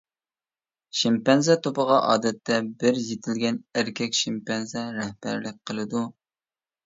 شىمپەنزە توپىغا ئادەتتە بىر يېتىلگەن ئەركەك شىمپەنزە رەھبەرلىك قىلىدۇ.